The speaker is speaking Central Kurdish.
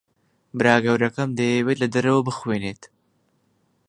برا گەورەکەم دەیەوێت لە دەرەوە بخوێنێت.